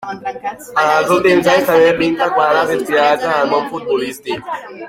En els últims anys també pinta quadres inspirats en el món futbolístic.